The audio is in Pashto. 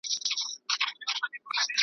په ارمان د پسرلي یو له خزانه تر خزانه .